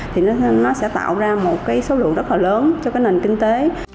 thì nó sẽ tạo ra một cái số lượng rất là lớn cho cái nền kinh tế